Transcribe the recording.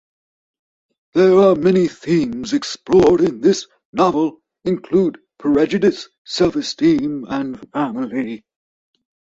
The many themes explored in this novel include prejudice, self-esteem and family.